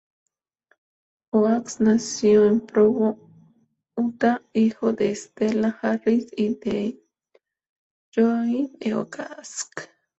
Oaks nació en Provo, Utah, hijo de Stella Harris y Lloyd E. Oaks.